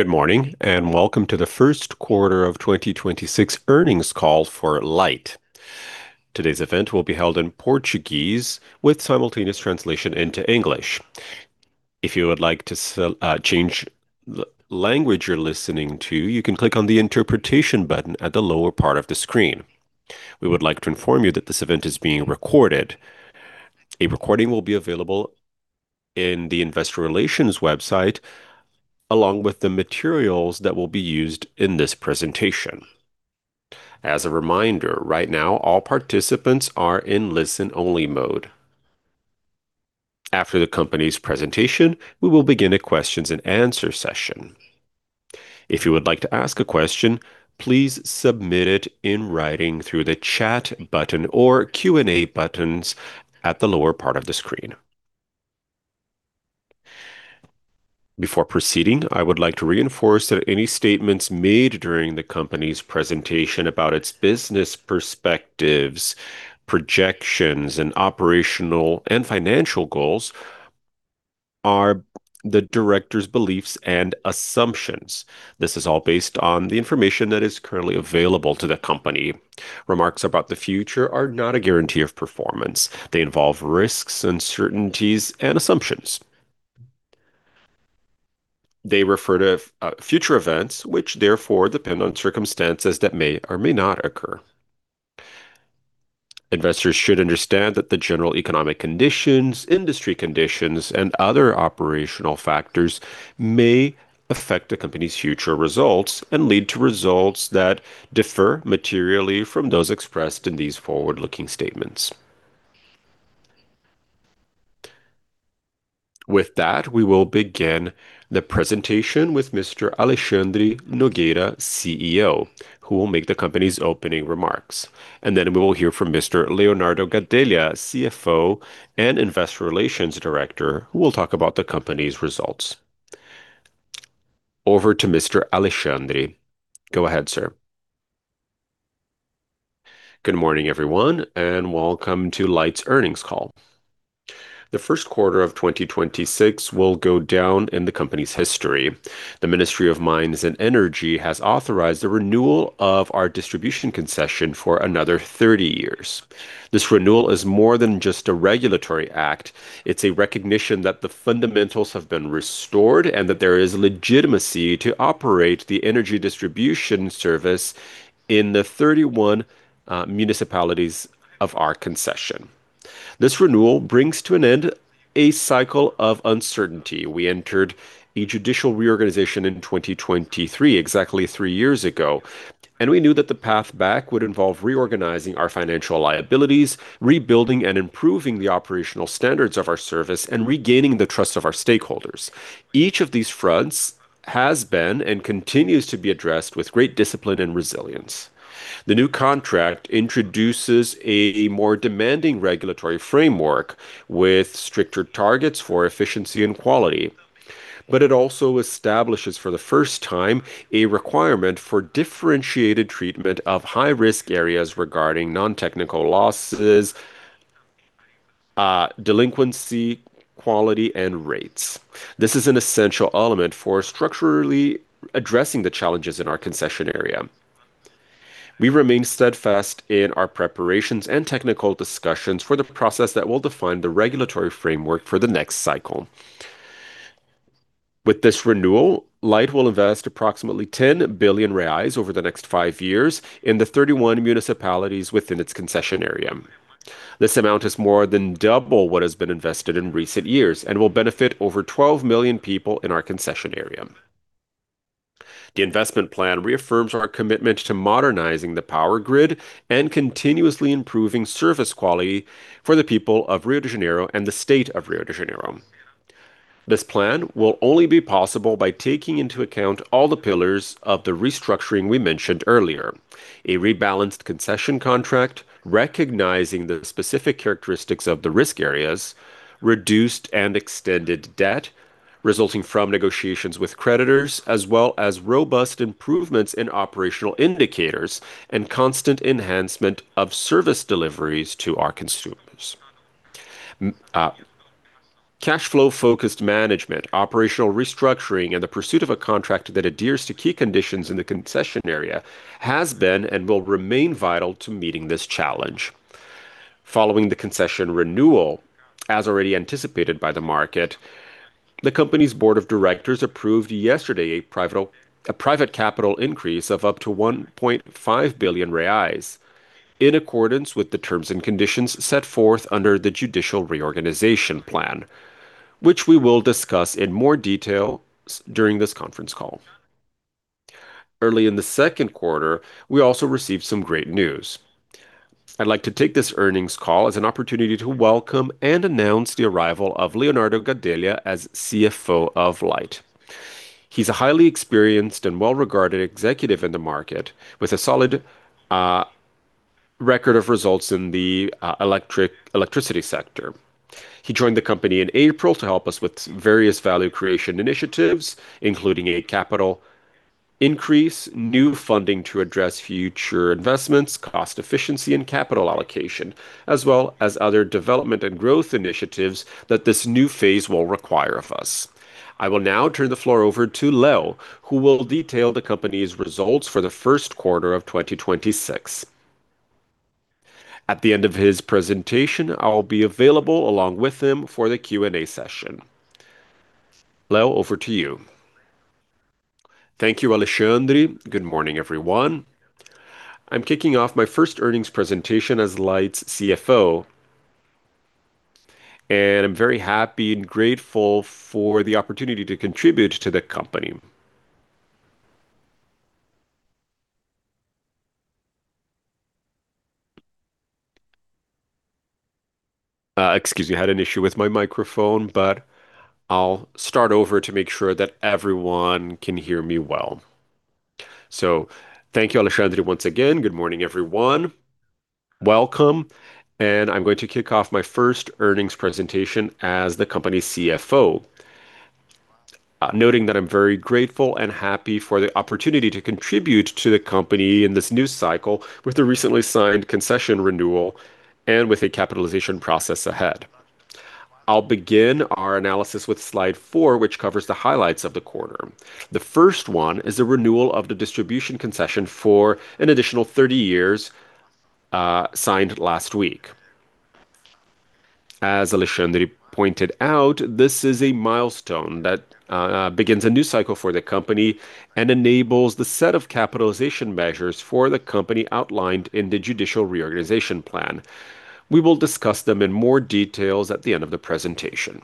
Good morning, and welcome to the first quarter of 2026 earnings call for Light. Today's event will be held in Portuguese with simultaneous translation into English. If you would like to change the language you're listening to, you can click on the interpretation button at the lower part of the screen. We would like to inform you that this event is being recorded. A recording will be available in the investor relations website, along with the materials that will be used in this presentation. As a reminder, right now all participants are in listen-only mode. After the company's presentation, we will begin a questions and answer session. If you would like to ask a question, please submit it in writing through the chat button or Q&A buttons at the lower part of the screen. Before proceeding, I would like to reinforce that any statements made during the company's presentation about its business perspectives, projections, and operational and financial goals are the directors' beliefs and assumptions. This is all based on the information that is currently available to the company. Remarks about the future are not a guarantee of performance. They involve risks, uncertainties, and assumptions. They refer to future events, which therefore depend on circumstances that may or may not occur. Investors should understand that the general economic conditions, industry conditions, and other operational factors may affect the company's future results and lead to results that differ materially from those expressed in these forward-looking statements. With that, we will begin the presentation with Mr. Alexandre Nogueira, CEO, who will make the company's opening remarks. We will hear from Mr. Leonardo Gadelha, CFO and Investor Relations Director, who will talk about the company's results. Over to Mr. Alexandre. Go ahead, sir. Good morning, everyone, and welcome to Light's earnings call. The first quarter of 2026 will go down in the company's history. The Ministry of Mines and Energy has authorized the renewal of our distribution concession for another 30 years. This renewal is more than just a regulatory act. It's a recognition that the fundamentals have been restored, and that there is legitimacy to operate the energy distribution service in the 31 municipalities of our concession. This renewal brings to an end a cycle of uncertainty. We entered a judicial reorganization in 2023, exactly three years ago, and we knew that the path back would involve reorganizing our financial liabilities, rebuilding and improving the operational standards of our service, and regaining the trust of our stakeholders. Each of these fronts has been and continues to be addressed with great discipline and resilience. The new contract introduces a more demanding regulatory framework with stricter targets for efficiency and quality. It also establishes, for the first time, a requirement for differentiated treatment of high-risk areas regarding non-technical losses, delinquency, quality, and rates. This is an essential element for structurally addressing the challenges in our concession area. We remain steadfast in our preparations and technical discussions for the process that will define the regulatory framework for the next cycle. With this renewal, Light will invest approximately 10 billion reais over the next five years in the 31 municipalities within its concession area. This amount is more than double what has been invested in recent years and will benefit over 12 million people in our concession area. The investment plan reaffirms our commitment to modernizing the power grid and continuously improving service quality for the people of Rio de Janeiro and the state of Rio de Janeiro. This plan will only be possible by taking into account all the pillars of the restructuring we mentioned earlier. A rebalanced concession contract recognizing the specific characteristics of the risk areas, reduced and extended debt resulting from negotiations with creditors, as well as robust improvements in operational indicators and constant enhancement of service deliveries to our consumers. Cash flow-focused management, operational restructuring, and the pursuit of a contract that adheres to key conditions in the concession area has been and will remain vital to meeting this challenge. Following the concession renewal, as already anticipated by the market, the company's Board of Directors approved yesterday a private capital increase of up to 1.5 billion reais in accordance with the terms and conditions set forth under the Judicial Reorganization Plan, which we will discuss in more detail during this conference call. Early in the second quarter, we also received some great news. I'd like to take this earnings call as an opportunity to welcome and announce the arrival of Leonardo Gadelha as CFO of Light. He's a highly experienced and well-regarded executive in the market with a solid record of results in the electricity sector. He joined the company in April to help us with various value creation initiatives, including a capital increase new funding to address future investments, cost efficiency, and capital allocation, as well as other development and growth initiatives that this new phase will require of us. I will now turn the floor over to Leo, who will detail the company's results for the first quarter of 2026. At the end of his presentation, I'll be available along with him for the Q&A session. Leo, over to you. Thank you, Alexandre. Good morning, everyone. I'm kicking off my first earnings presentation as Light's CFO, and I'm very happy and grateful for the opportunity to contribute to the company. Excuse me, I had an issue with my microphone, but I'll start over to make sure that everyone can hear me well. Thank you, Alexandre, once again. Good morning, everyone. Welcome, I'm going to kick off my first earnings presentation as the company's CFO. Noting that I'm very grateful and happy for the opportunity to contribute to the company in this new cycle with the recently signed concession renewal and with a capitalization process ahead. I'll begin our analysis with slide four, which covers the highlights of the quarter. The first one is the renewal of the distribution concession for an additional 30 years, signed last week. As Alexandre pointed out, this is a milestone that begins a new cycle for the company and enables the set of capitalization measures for the company outlined in the judicial reorganization plan. We will discuss them in more details at the end of the presentation.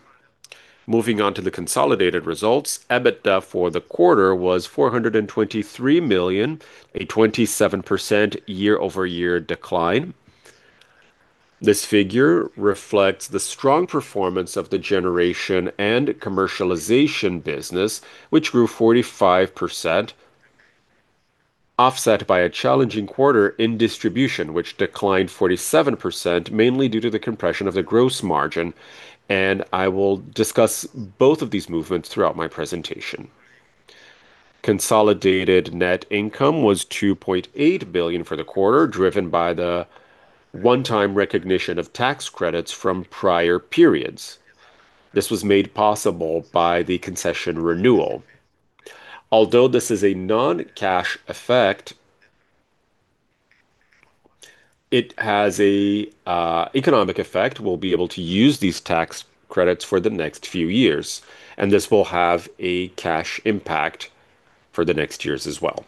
Moving on to the consolidated results, EBITDA for the quarter was 423 million, a 27% year-over-year decline. This figure reflects the strong performance of the generation and commercialization business, which grew 45%, offset by a challenging quarter in distribution, which declined 47%, mainly due to the compression of the gross margin. I will discuss both of these movements throughout my presentation. Consolidated net income was 2.8 billion for the quarter, driven by the one-time recognition of tax credits from prior periods. This was made possible by the concession renewal. Although this is a non-cash effect, it has a economic effect. We'll be able to use these tax credits for the next few years. This will have a cash impact for the next years as well.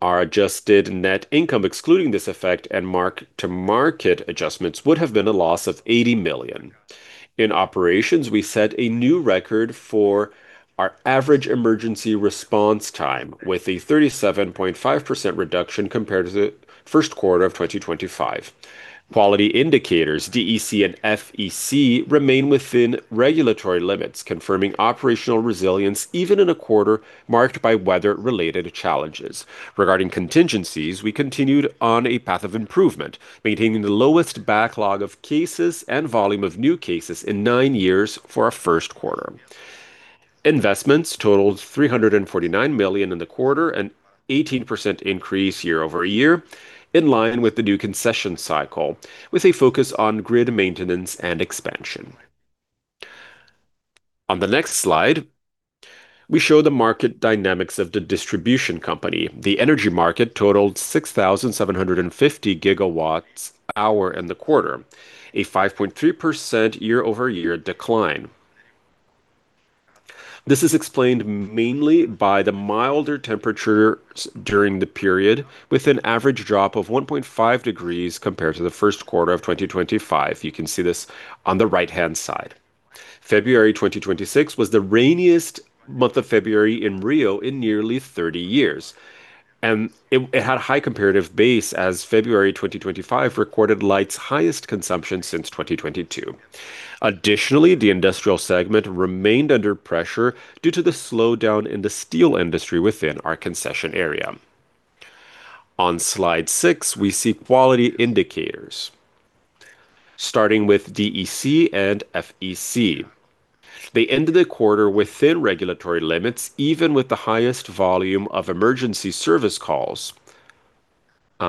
Our adjusted net income, excluding this effect and mark-to-market adjustments, would have been a loss of 80 million. In operations, we set a new record for our average emergency response time with a 37.5% reduction compared to the first quarter of 2025. Quality indicators, DEC and FEC, remain within regulatory limits, confirming operational resilience even in a quarter marked by weather-related challenges. Regarding contingencies, we continued on a path of improvement, maintaining the lowest backlog of cases and volume of new cases in nine years for our first quarter. Investments totaled 349 million in the quarter, an 18% increase year-over-year in line with the new concession cycle, with a focus on grid maintenance and expansion. On the next slide, we show the market dynamics of the distribution company. The energy market totaled 6,750 GWh in the quarter, a 5.3% year-over-year decline. This is explained mainly by the milder temperatures during the period, with an average drop of 1.5 degrees compared to the first quarter of 2025. You can see this on the right-hand side. February 2026 was the rainiest month of February in Rio in nearly 30 years, and it had a high comparative base as February 2025 recorded Light's highest consumption since 2022. Additionally, the industrial segment remained under pressure due to the slowdown in the steel industry within our concession area. On slide six, we see quality indicators. Starting with DEC and FEC. They ended the quarter within regulatory limits, even with the highest volume of emergency service calls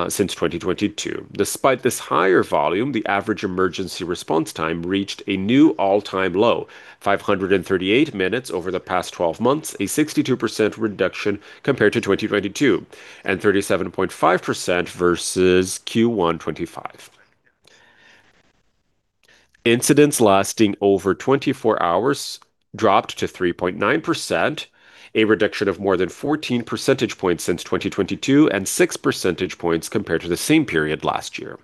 since 2022. Despite this higher volume, the average emergency response time reached a new all-time low, 538 minutes over the past 12 months, a 62% reduction compared to 2022, and 37.5% versus Q1 2025. Incidents lasting over 24 hours dropped to 3.9%, a reduction of more than 14 percentage points since 2022 and 6 percentage points compared to the same period last year.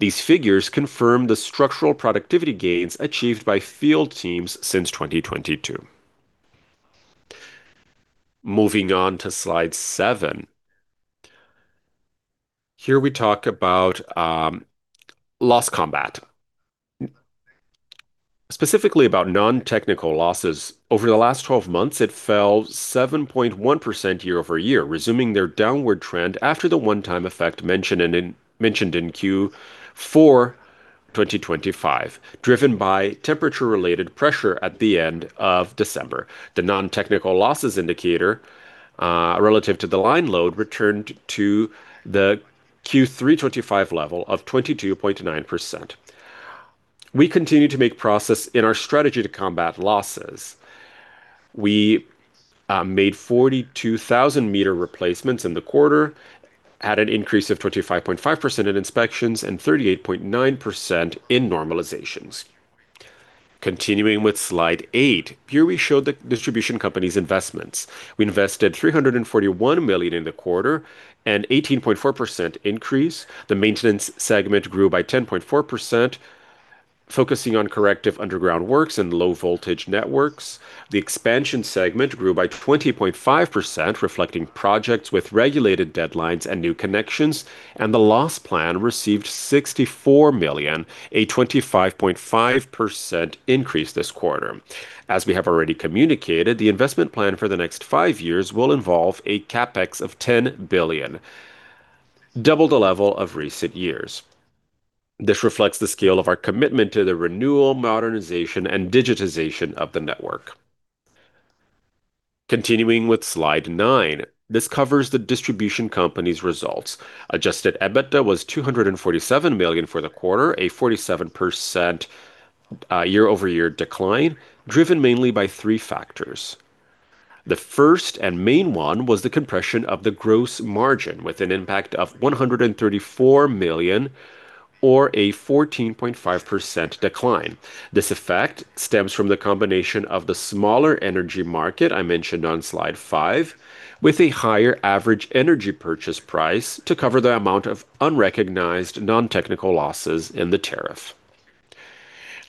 These figures confirm the structural productivity gains achieved by field teams since 2022. Moving on to slide seven. Here we talk about loss combat, specifically about non-technical losses. Over the last 12 months, it fell 7.1% year-over-year, resuming their downward trend after the one-time effect mentioned in Q4 2025, driven by temperature-related pressure at the end of December. The non-technical losses indicator, relative to the line load returned to the Q3 2025 level of 22.9%. We continue to make progress in our strategy to combat losses. We made 42,000 meter replacements in the quarter at an increase of 25.5% in inspections and 38.9% in normalizations. Continuing with slide eight. Here we show the distribution company's investments. We invested 341 million in the quarter, an 18.4% increase. The maintenance segment grew by 10.4%, focusing on corrective underground works and low-voltage networks. The expansion segment grew by 20.5%, reflecting projects with regulated deadlines and new connections. The loss plan received 64 million, a 25.5% increase this quarter. As we have already communicated, the investment plan for the next five years will involve a CapEx of 10 billion, double the level of recent years. This reflects the scale of our commitment to the renewal, modernization, and digitization of the network. Continuing with slide nine. This covers the distribution company's results. Adjusted EBITDA was 247 million for the quarter, a 47% year-over-year decline, driven mainly by three factors. The first and main one was the compression of the gross margin with an impact of 134 million or a 14.5% decline. This effect stems from the combination of the smaller energy market I mentioned on slide five, with a higher average energy purchase price to cover the amount of unrecognized non-technical losses in the tariff.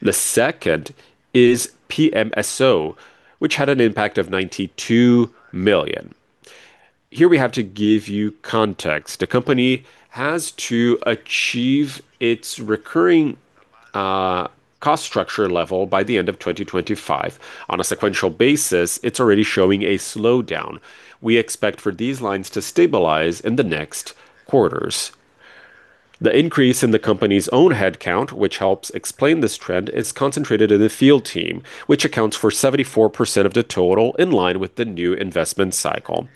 The second is PMSO, which had an impact of 92 million. Here we have to give you context. The company has to achieve its recurring cost structure level by the end of 2025. On a sequential basis, it's already showing a slowdown. We expect for these lines to stabilize in the next quarters. The increase in the company's own headcount, which helps explain this trend, is concentrated in the field team, which accounts for 74% of the total in line with the new investment cycle.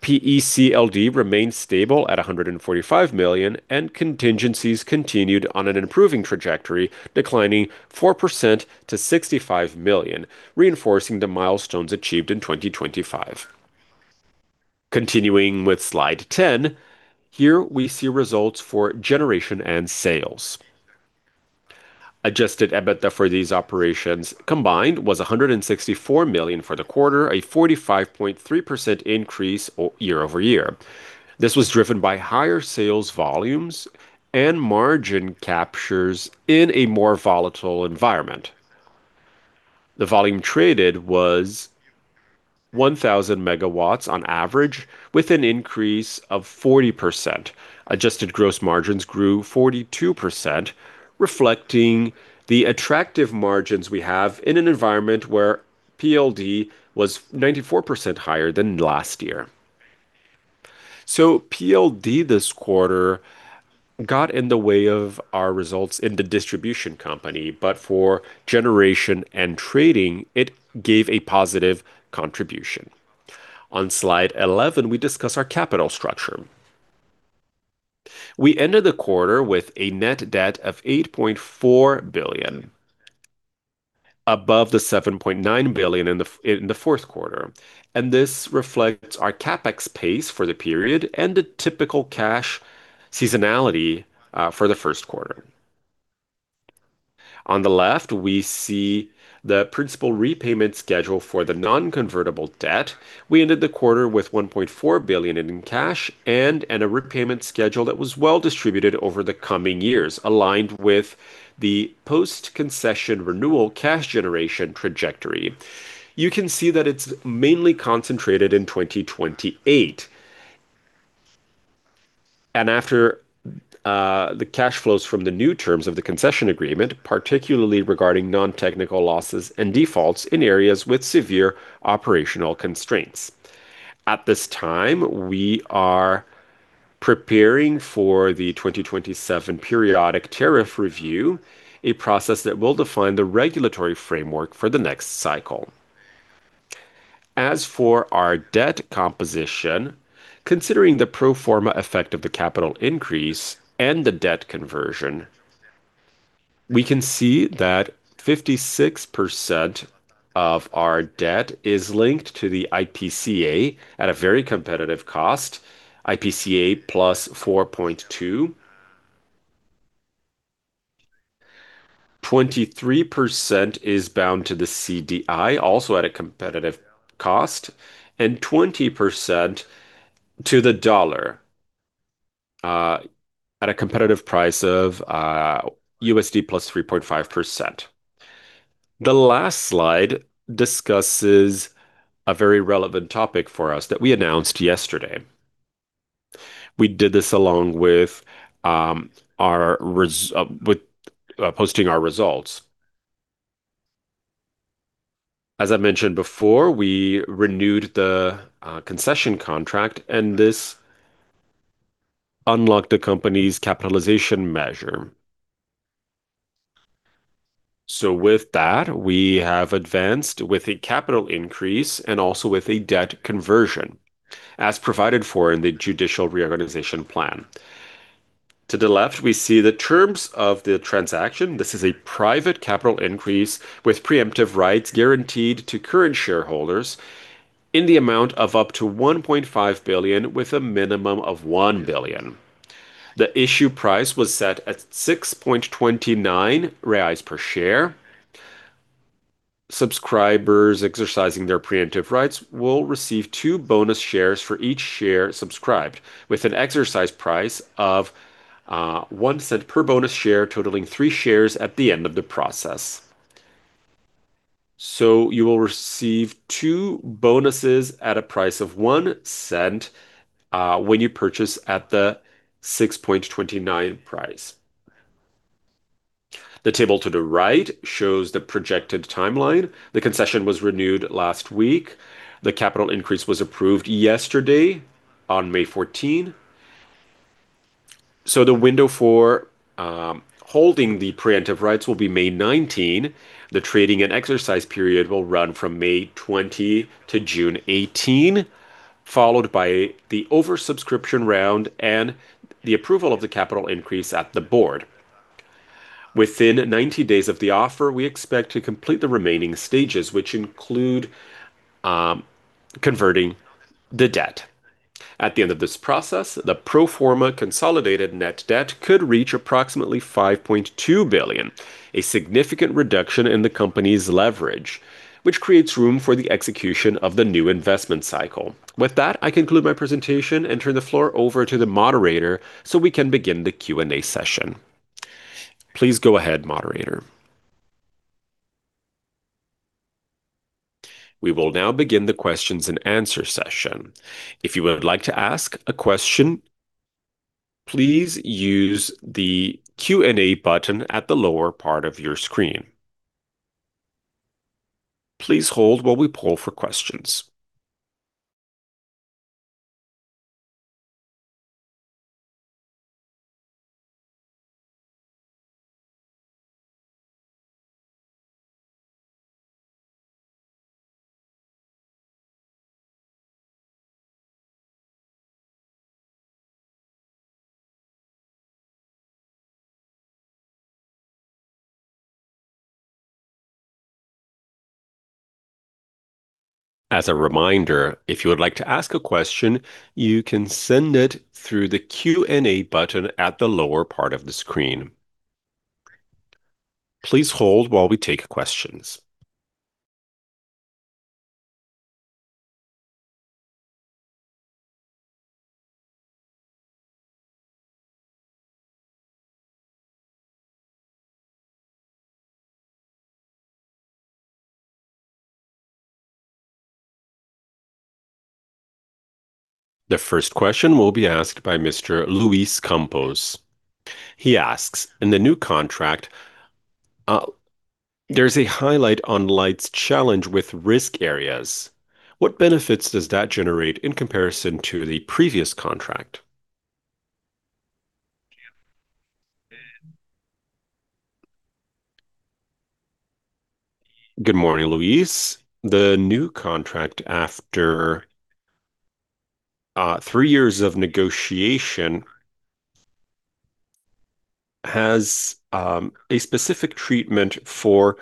PECLD remains stable at 145 million, and contingencies continued on an improving trajectory, declining 4% to 65 million, reinforcing the milestones achieved in 2025. Continuing with slide 10. Here we see results for generation and sales. Adjusted EBITDA for these operations combined was 164 million for the quarter, a 45.3% increase year-over-year. This was driven by higher sales volumes and margin captures in a more volatile environment. The volume traded was 1,000 MW on average, with an increase of 40%. Adjusted gross margins grew 42%, reflecting the attractive margins we have in an environment where PLD was 94% higher than last year. PLD this quarter got in the way of our results in the distribution company, but for generation and trading, it gave a positive contribution. On slide 11, we discuss our capital structure. We ended the quarter with a net debt of 8.4 billion, above the 7.9 billion in the fourth quarter. This reflects our CapEx pace for the period and the typical cash seasonality for the first quarter. On the left, we see the principal repayment schedule for the non-convertible debt. We ended the quarter with 1.4 billion in cash and a repayment schedule that was well distributed over the coming years, aligned with the post-concession renewal cash generation trajectory. You can see that it's mainly concentrated in 2028. After the cash flows from the new terms of the concession agreement, particularly regarding non-technical losses and defaults in areas with severe operational constraints. At this time, we are preparing for the 2027 periodic tariff review, a process that will define the regulatory framework for the next cycle. As for our debt composition, considering the pro forma effect of the capital increase and the debt conversion, we can see that 56% of our debt is linked to the IPCA at a very competitive cost, IPCA +4.2%. 23% is bound to the CDI, also at a competitive cost, and 20% to the dollar at a competitive price of USD +3.5%. The last slide discusses a very relevant topic for us that we announced yesterday. We did this along with posting our results. As I mentioned before, we renewed the concession contract, and this unlocked the company's capitalization measure. With that, we have advanced with a capital increase and also with a debt conversion, as provided for in the judicial reorganization plan. To the left, we see the terms of the transaction. This is a private capital increase with preemptive rights guaranteed to current shareholders in the amount of up to 1.5 billion, with a minimum of 1 billion. The issue price was set at 6.29 reais per share. Subscribers exercising their preemptive rights will receive two bonus shares for each share subscribed, with an exercise price of 0.01 per bonus share, totaling three shares at the end of the process. You will receive two bonuses at a price of 0.01, when you purchase at the 6.29 price. The table to the right shows the projected timeline. The concession was renewed last week. The capital increase was approved yesterday on May 14. The window for holding the preemptive rights will be May 19. The trading and exercise period will run from May 20 to June 18, followed by the over-subscription round and the approval of the capital increase at the board. Within 90 days of the offer, we expect to complete the remaining stages, which include converting the debt. At the end of this process, the pro forma consolidated net debt could reach approximately 5.2 billion, a significant reduction in the company's leverage, which creates room for the execution of the new investment cycle. With that, I conclude my presentation and turn the floor over to the moderator so we can begin the Q&A session. Please go ahead, moderator. We will now begin the questions and answer session. If you would like to ask a question, please use the Q&A button at the lower part of your screen. As a reminder, if you would like to ask a question, you can send it through the Q&A button at the lower part of the screen. The first question will be asked by Mr. Luís Campos. He asks, "In the new contract, there's a highlight on Light's challenge with risk areas. What benefits does that generate in comparison to the previous contract?" Good morning, Luís. The new contract, after three years of negotiation, has a specific treatment for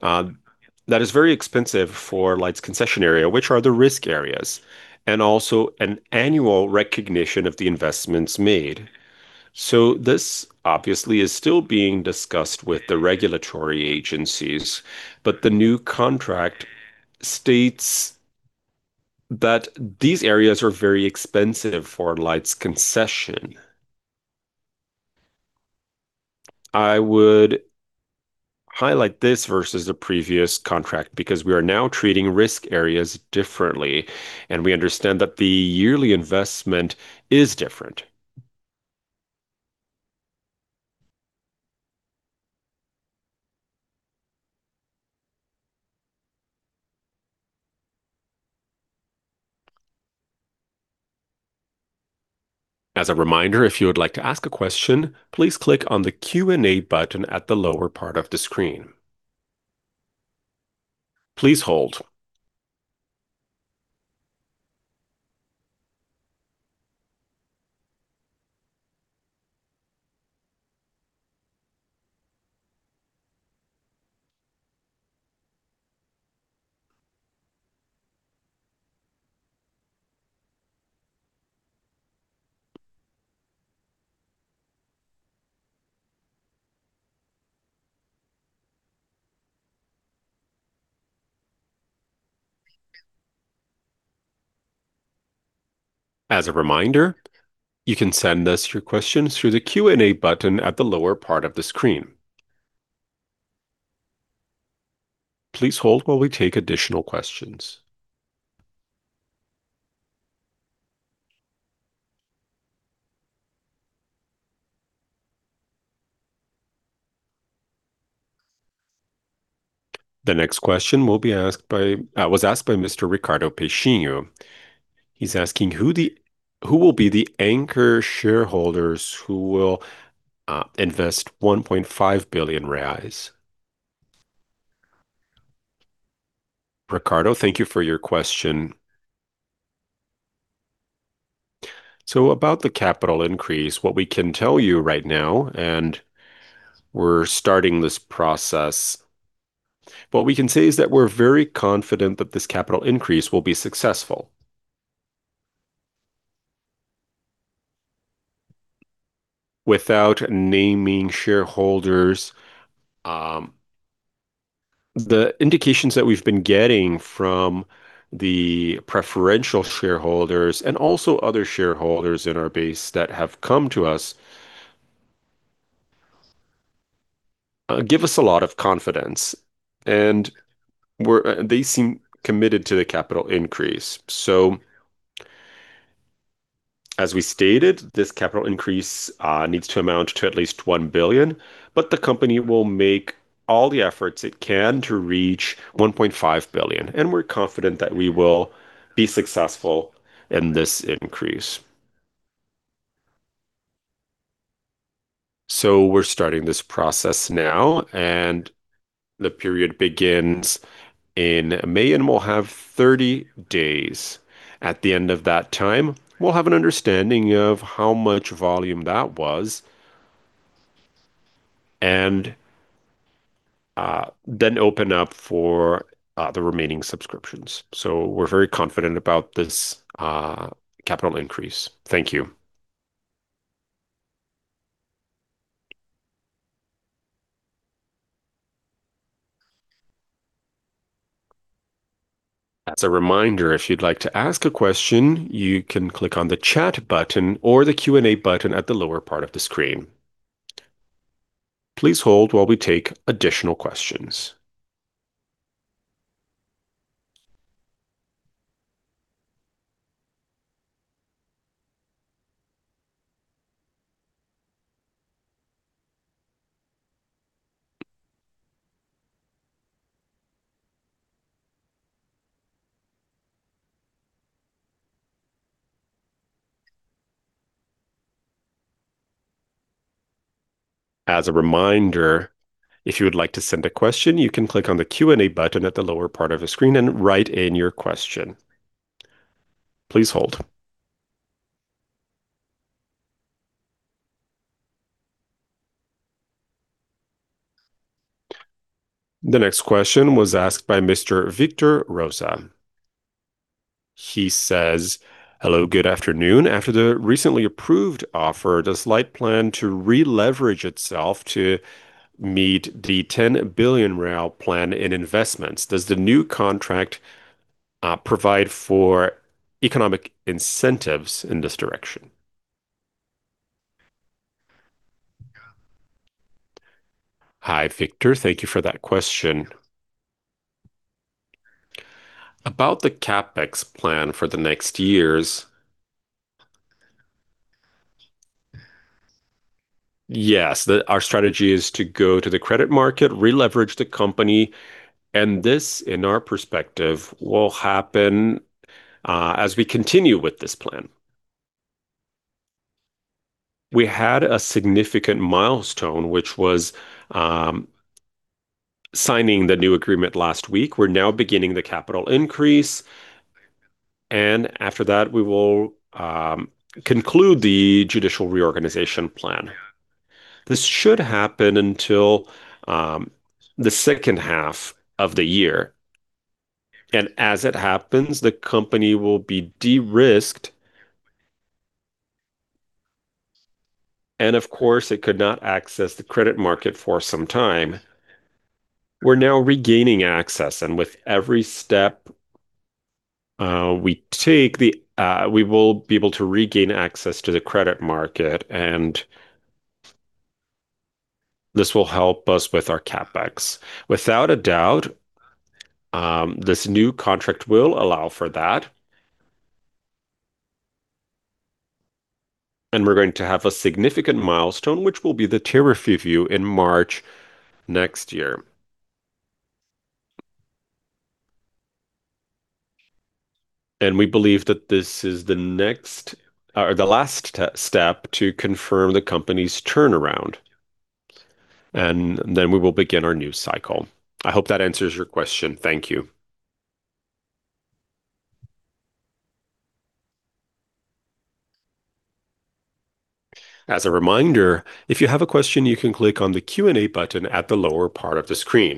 that is very expensive for Light's concession area, which are the risk areas, and also an annual recognition of the investments made. This obviously is still being discussed with the regulatory agencies, but the new contract states that these areas are very expensive for Light's concession. I would highlight this versus the previous contract because we are now treating risk areas differently, and we understand that the yearly investment is different. As a reminder, if you would like to ask a question, please click on the Q&A button at the lower part of the screen. Please hold. As a reminder, you can send us your questions through the Q&A button at the lower part of the screen. Please hold while we take additional questions. The next question was asked by Mr. Ricardo Peixinho. He is asking who will be the anchor shareholders who will invest 1.5 billion reais? Ricardo, thank you for your question. About the capital increase, what we can tell you right now, and we are starting this process, what we can say is that we are very confident that this capital increase will be successful. Without naming shareholders, the indications that we have been getting from the preferential shareholders and also other shareholders in our base that have come to us, give us a lot of confidence, and they seem committed to the capital increase. As we stated, this capital increase needs to amount to at least 1 billion. The company will make all the efforts it can to reach 1.5 billion. We're confident that we will be successful in this increase. We're starting this process now. The period begins in May. We'll have 30 days. At the end of that time, we'll have an understanding of how much volume that was. Then open up for the remaining subscriptions. We're very confident about this capital increase. Thank you. As a reminder, if you'd like to ask a question, you can click on the chat button or the Q&A button at the lower part of the screen. Please hold while we take additional questions. As a reminder, if you would like to send a question, you can click on the Q&A button at the lower part of the screen and write in your question. Please hold. The next question was asked by Mr. Victor Rosa. He says, "Hello, good afternoon. After the recently approved offer, does Light plan to re-leverage itself to meet the 10 billion real plan in investments? Does the new contract provide for economic incentives in this direction?" Hi, Victor. Thank you for that question. About the CapEx plan for the next years, yes, our strategy is to go to the credit market, re-leverage the company, and this, in our perspective, will happen as we continue with this plan. We had a significant milestone, which was signing the new agreement last week. We're now beginning the capital increase. After that, we will conclude the judicial reorganization plan. This should happen until the second half of the year. As it happens, the company will be de-risked. Of course, it could not access the credit market for some time. We're now regaining access. With every step we take, we will be able to regain access to the credit market. This will help us with our CapEx. Without a doubt, this new contract will allow for that. We're going to have a significant milestone, which will be the tariff review in March next year. We believe that this is the next or the last step to confirm the company's turnaround. Then we will begin our new cycle. I hope that answers your question. Thank you. As a reminder, if you have a question, you can click on the Q&A button at the lower part of the screen.